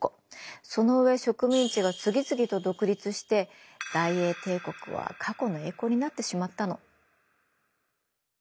その上植民地が次々と独立して大英帝国は過去の栄光になってしまったの。